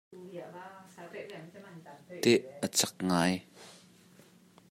Teh a cak ngai.